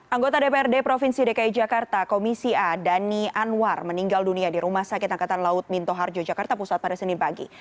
anggota dprd provinsi dki jakarta komisi a dhani anwar meninggal dunia di rumah sakit angkatan laut minto harjo jakarta pusat pada senin pagi